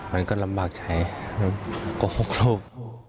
มันก็ลำบากใช้โกหกลูก